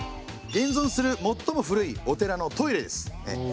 現存する最も古いお寺のトイレです。